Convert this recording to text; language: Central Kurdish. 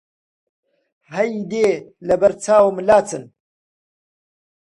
هەیدێ لەبەر چاوم لاچن!